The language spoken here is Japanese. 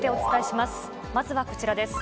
まずはこちらです。